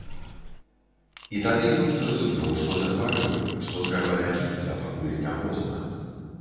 І тады ён зразумеў, што захварэў, што трэба лячыцца, пакуль не позна.